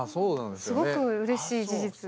すごくうれしい事実。